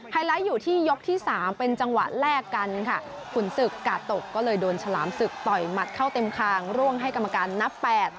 ไลท์อยู่ที่ยกที่สามเป็นจังหวะแลกกันค่ะขุนศึกกาตกก็เลยโดนฉลามศึกต่อยหมัดเข้าเต็มคางร่วงให้กรรมการนับแปด